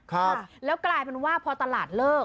ครับแล้วกลายเป็นว่าพอตลาดเลิก